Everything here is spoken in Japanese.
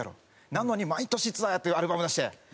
「なのに毎年ツアーやってアルバム出して」。